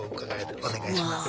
お願いしますね。